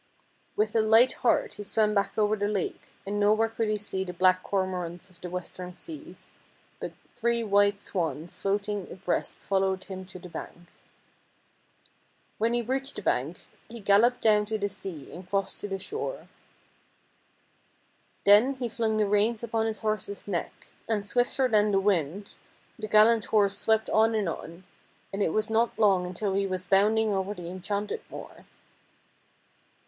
With a light heart he swam back over the lake, and nowhere could he see the black Cormorants of the Western Seas, but three white swans floating abreast followed him to the bank. When he reached the bank he galloped down to the sea, and crossed to the shore. Then he flung the reins upon his horse's neck, and swifter than the wind the gallant horse swept on and on, and it was not long until he was bounding over the enchanted moor.